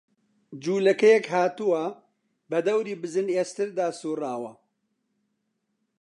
جوولەکەیەک هاتووە، بە دەوری بزن ئێستردا سووڕاوە